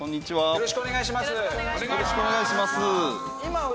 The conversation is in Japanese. よろしくお願いします。